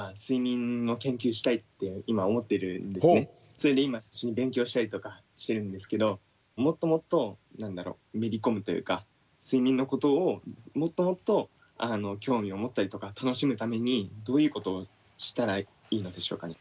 それで今勉強したりとかしてるんですけどもっともっとめり込むというか睡眠のことをもっともっと興味を持ったりとか楽しむためにどういうことをしたらいいのでしょうかね？